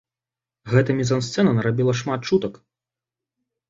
Гэта мізансцэна нарабіла шмат чутак.